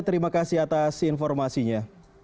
terima kasih atas informasinya